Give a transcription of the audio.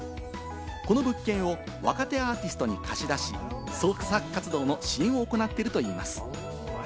この物件を若手アーティストに貸し出し、創作活動の支援を行っているといいます。